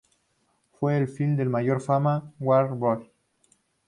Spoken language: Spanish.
Fue el film de mayor fama de Warner Bros.